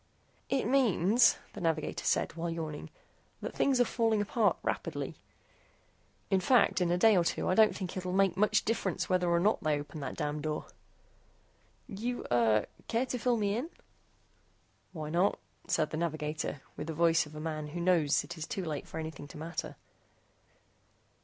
"It means," the navigator said, while yawning, "that things are falling apart rapidly. In fact, in a day or two I don't think it'll make much difference whether or not they open that damn door." "You, er, care to fill me in?" "Why not?" said the navigator, with the voice of a man who knows that it is too late for anything to matter.